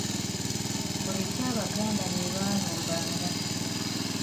Bulijjo Abaganda be baalumbanga.